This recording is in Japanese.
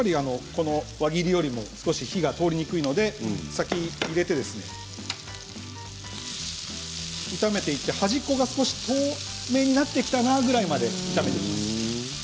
輪切りよりも少し火が通りにくいので先に入れて炒めていって端っこが少し透明になってきたなぐらいまで炒めていきます。